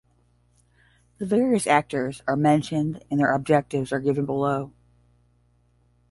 The various actors are mentioned and their objectives are given below.